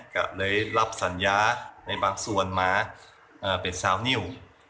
ก็เลยรับสัญญาในบางส่วนมาเป็นสาวนิ้ว